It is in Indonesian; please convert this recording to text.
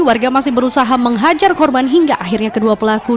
warga masih berusaha menghajar korban hingga akhirnya kedua pelaku